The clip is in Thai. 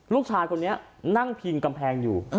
ลูกชายคนนี้นั่งพิงกำแพงอยู่